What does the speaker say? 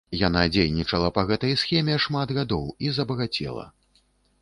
Яна дзейнічала па гэтай схеме шмат гадоў і забагацела.